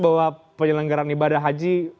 bahwa penyelenggaran ibadah haji